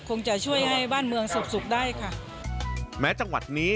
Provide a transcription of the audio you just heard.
ก็คงไม่ยอมมาก่อน